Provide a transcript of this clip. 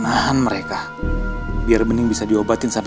tunda ke warung sebentar ya